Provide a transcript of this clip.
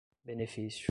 benefício